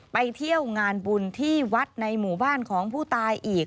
ไปเที่ยวงานบุญที่วัดในหมู่บ้านของผู้ตายอีก